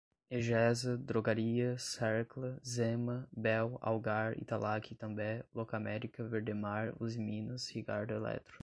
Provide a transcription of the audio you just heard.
Egesa, Drogaria, Sercla, Zema, Bel, Algar, Italac, Itambé, Locamerica, Verdemar, Usiminas, Ricardo Eletro